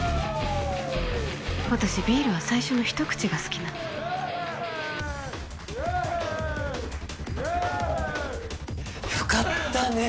私ビールは最初の一口が好きなのよかったね